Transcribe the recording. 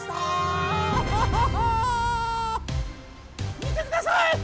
みてください！